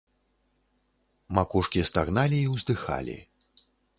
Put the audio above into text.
Макушкі стагналі і ўздыхалі.